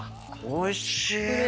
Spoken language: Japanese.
おいしい。